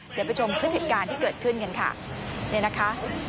เดี๋ยวไปชมพฤติการณ์ที่เกิดขึ้นกันค่ะ